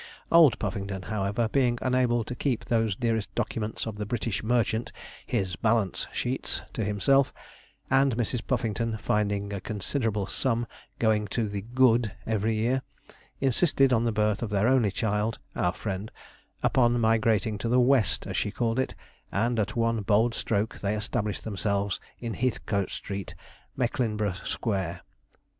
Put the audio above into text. Old Puffington, however, being unable to keep those dearest documents of the British merchant, his balance sheets, to himself, and Mrs. Puffington finding a considerable sum going to the 'good' every year, insisted, on the birth of their only child, our friend, upon migrating to the 'west,' as she called it, and at one bold stroke they established themselves in Heathcote Street, Mecklenburgh Square.